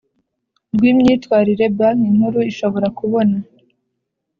Rw imyitwarire banki nkuru ishobora kubona